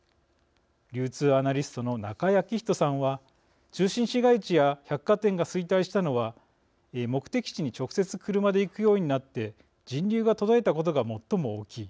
流通アナリストの中井彰人さんは「中心市街地や百貨店が衰退したのは目的地に直接、車で行くようになって人流が途絶えたことが最も大きい。